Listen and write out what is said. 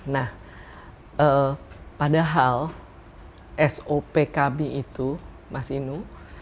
nah padahal sop kami itu mas inu